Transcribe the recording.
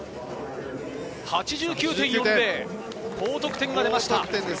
８９．４０、高得点が出ました。